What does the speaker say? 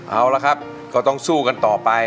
เอาละครับก็ต้องสู้กันต่อไป